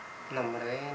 thế là nằm viễn luôn